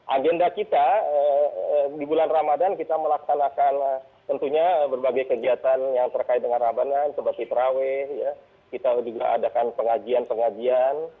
agenda kita di bulan ramadan kita melaksanakan tentunya berbagai kegiatan yang terkait dengan ramadan seperti terawih kita juga adakan pengajian pengajian